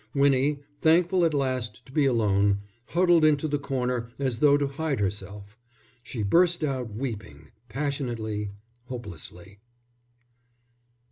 Winnie, thankful at last to be alone, huddled into the corner as though to hide herself. She burst out weeping, passionately, hopelessly.